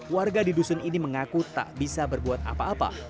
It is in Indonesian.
warga di dusun ini mengaku tak bisa berbuat apa apa